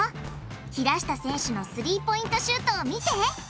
平下選手のスリーポイントシュートを見て！